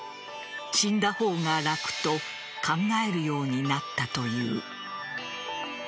死んだ方が楽と考えるようになったという。